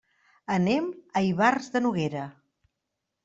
Anem a Ivars de Noguera.